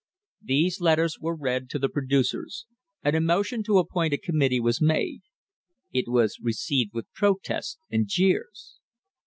These letters were read to the producers, and a motion to appoint a committee was made. It was received with protests and jeers.